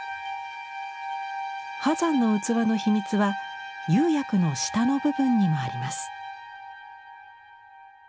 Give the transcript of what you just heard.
波山の器の秘密は釉薬の下の部分にもあります。